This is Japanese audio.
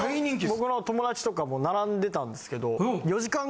僕の友だちとかも並んでたんですけど。